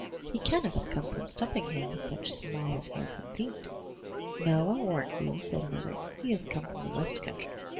He cannot have come from Stumpinghame with such small and handsome feet.'* "No, ril warrant you,*' said another, "he has come from the west country.